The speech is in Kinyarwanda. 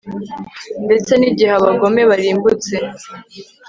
ndetse n'igihe abagome barimbutse